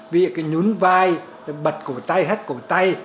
vì cái nhún vai bật cổ tay hất cổ tay